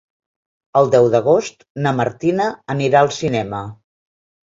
El deu d'agost na Martina anirà al cinema.